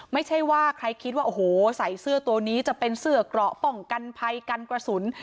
ไม่ใช่ว่าใส่เสื้อตัวนี้จะเป็นเสื้อกระป่องกันภัยกันกระสุน